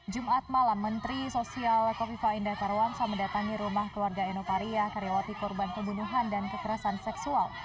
jumat malam menteri sosial kofifa indar parawansa mendatangi rumah keluarga eno pariah karyawati korban pembunuhan dan kekerasan seksual